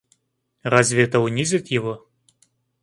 Разве это унизит его?